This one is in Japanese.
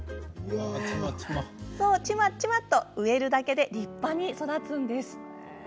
ちまちまと植えるだけで立派に育つんです。